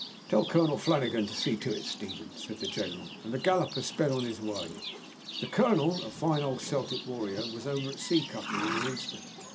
"Tell Colonel Flanagan to see to it, Stephen," said the general; and the galloper sped upon his way. The colonel, a fine old Celtic warrior, was over at C Company in an instant.